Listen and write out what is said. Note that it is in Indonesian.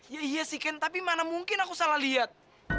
ya iya sih ken tapi mana mungkin aku salah lihat